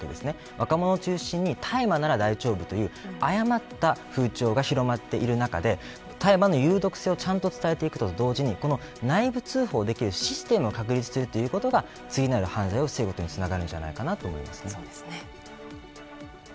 若者を中心に大麻なら大丈夫という誤った風潮が広まっている中で大麻の有毒性をちゃんと伝えていくと同時に内部通報できるシステムを確立するということが次の犯罪を防ぐことにつながると思います。